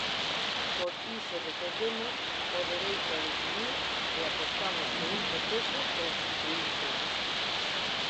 Por iso defendemos o dereito a decidir e apostamos por un proceso constituínte.